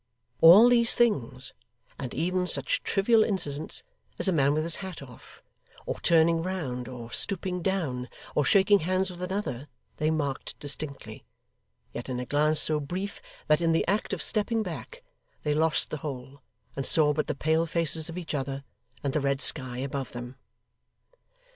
All these things, and even such trivial incidents as a man with his hat off, or turning round, or stooping down, or shaking hands with another, they marked distinctly; yet in a glance so brief, that, in the act of stepping back, they lost the whole, and saw but the pale faces of each other, and the red sky above them.